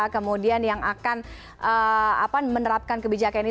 kemudian yang akan menerapkan kebijakan ini